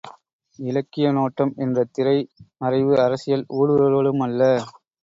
இலக்கிய நோட்டம் என்ற திரை மறைவு அரசியல் ஊடுருவலுமல்ல.